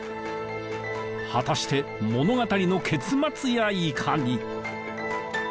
果たして物語の結末やいかに⁉